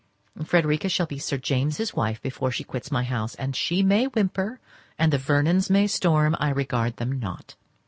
Frederica shall be Sir James's wife before she quits my house, and she may whimper, and the Vernons may storm, I regard them not.